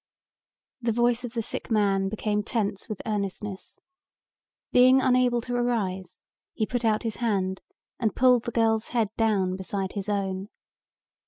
The voice of the sick man became tense with earnestness. Being unable to arise, he put out his hand and pulled the girl's head down beside his own.